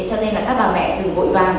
cho nên là các bà mẹ đừng vội vàng